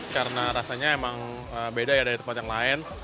karena rasanya emang beda dari tempat yang lain